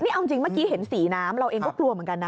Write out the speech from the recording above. นี่เอาจริงเมื่อกี้เห็นสีน้ำเราเองก็กลัวเหมือนกันนะ